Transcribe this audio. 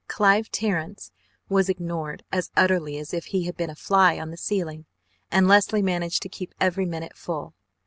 Clive Terrence was ignored as utterly as if he had been a fly on the ceiling, and Leslie managed to keep every minute full.